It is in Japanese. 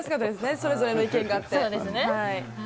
それぞれの意見があって。